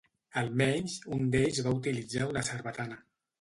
Almenys, un d'ells va utilitzar una sarbatana.